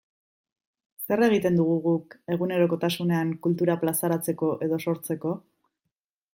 Zer egiten dugu guk egunerokotasunean kultura plazaratzeko edo sortzeko?